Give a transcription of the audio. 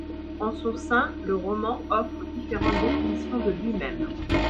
En son sein, le roman offre différentes définitions de lui-même.